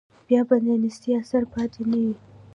بیا به د نیستۍ اثر پاتې نه وي.